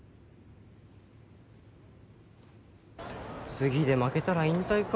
次で負けたら引退か。